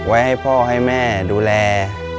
ให้พ่อให้แม่ดูแล